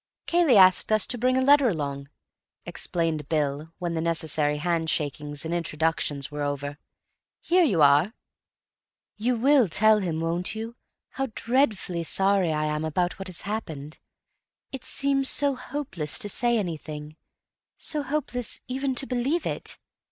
"Cayley asked us to bring a letter along," explained Bill, when the necessary handshakings and introductions were over. "Here you are." "You will tell him, won't you, how dreadfully sorry I am about—about what has happened? It seems so hopeless to say anything; so hopeless even to believe it.